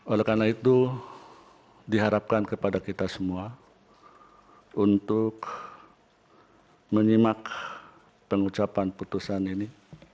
oleh karena itu diharapkan kepada kita semua untuk menyimak pengucapan putusan ini